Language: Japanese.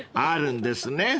［あるんですね